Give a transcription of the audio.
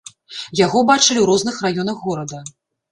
Яго бачылі ў розных раёнах горада.